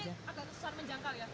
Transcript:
agak susah menjangkau ya